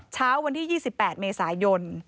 เช้าวันที่๒๘เมษายน